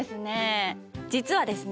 実はですね